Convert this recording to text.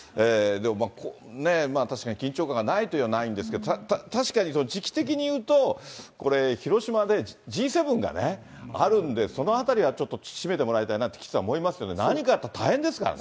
でも、ね、確かに緊張感がないといえばないんですけど、確かに時期的に言うと、これ、広島でＧ７がね、あるんで、そのあたりはちょっと、締めてもらいたいなと、岸さん、思いますけどね、何かあったら大変ですからね。